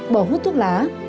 bỏ hút thuốc lá